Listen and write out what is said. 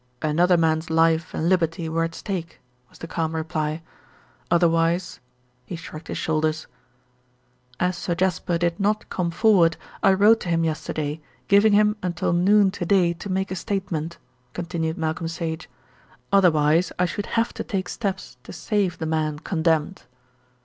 "Another man's life and liberty were at stake," was the calm reply, "otherwise " he shrugged his shoulders. "As Sir Jasper did not come forward I wrote to him yesterday giving him until noon to day to make a statement," continued Malcolm Sage, "otherwise I should have to take steps to save the man condemned."